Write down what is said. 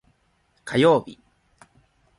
火曜日